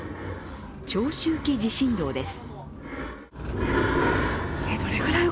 長周期地震動です。